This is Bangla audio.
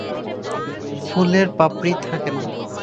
ফুলের পাপড়ি থাকে না।